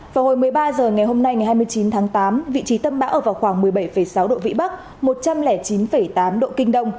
vào hồi một mươi ba h ngày hôm nay ngày hai mươi chín tháng tám vị trí tâm bão ở vào khoảng một mươi bảy sáu độ vĩ bắc một trăm linh chín tám độ kinh đông